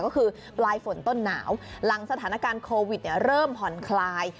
ก็คือปลายฝนต้นหนาวหลังสถานการณ์โควิดเริ่มผ่อนคลาย